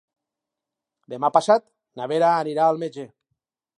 Demà passat na Vera anirà al metge.